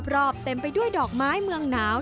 รอบเต็มไปด้วยดอกไม้เมืองหนาว